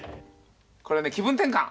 これね気分転換。